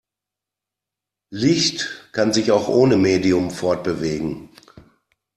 Licht kann sich auch ohne Medium fortbewegen.